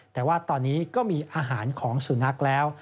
แต่ว่าตอนนี้ก็มีอาหารของสุนัขแล้ว